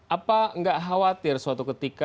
apa nggak khawatir suatu ketika